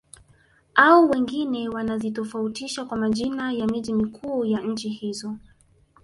Au wengine wanazitofautisha kwa majina ya miji mikuu ya nchi hizo